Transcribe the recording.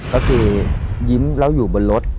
ก็คือยิ้มแล้วอยู่บนรถ